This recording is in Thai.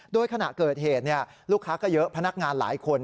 โดยขณะเกิดเหตุลูกค้าก็เยอะพนักงานหลายคน